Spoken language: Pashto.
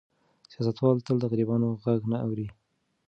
سیاستوال تل د غریبانو غږ نه اوري.